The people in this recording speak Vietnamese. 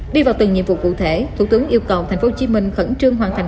đi vào từng nhiệm vụ cụ thể thủ tướng yêu cầu tp hcm khẩn trương hoàn thành